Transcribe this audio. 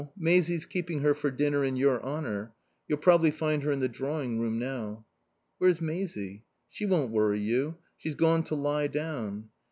Maisie's keeping her for dinner in your honour. You'll probably find her in the drawing room now." "Where's Maisie?" "She won't worry you. She's gone to lie down."